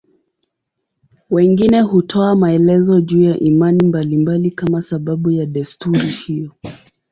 Wengine hutoa maelezo juu ya imani mbalimbali kama sababu ya desturi hiyo.